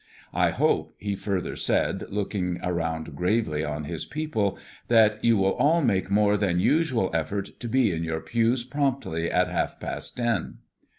"I hope," he further said, looking around gravely on his people, "that you will all make more than usual effort to be in your pews promptly at half past ten."